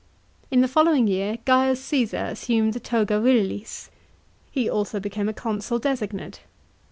In the following year C. Caesar assumed the toga virilis. He also became a consul designate.